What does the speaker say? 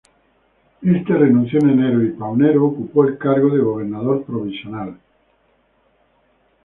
Éste renunció en enero y Paunero ocupó el cargo de gobernador provisional.